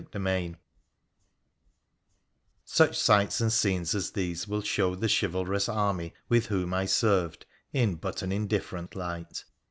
CHAPTER XIV Such sights and scenes as these will show the chivalrous army with whom I served in but an indifferent light.